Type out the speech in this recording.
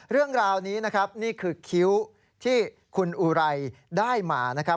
เรื่องราวนี้นะครับนี่คือคิ้วที่คุณอุไรได้มานะครับ